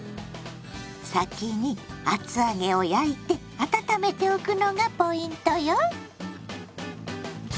先に厚揚げを焼いて温めておくのがポイントよ。